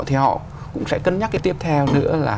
thì họ cũng sẽ cân nhắc cái tiếp theo nữa là